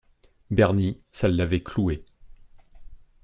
Bernie, ça l’avait cloué.